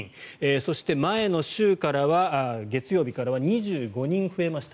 そして、前の週の月曜日からは２５人増えました。